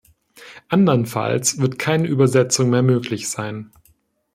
Andernfalls wird keine Übersetzung mehr möglich sein.